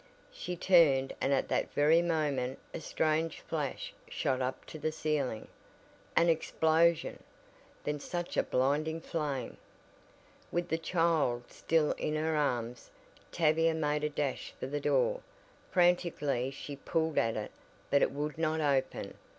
She turned and at that very moment a strange flash shot up to the ceiling! An explosion! Then such a blinding flame! With the child still in her arms Tavia made a dash for the door. Frantically she pulled at it but it would not open!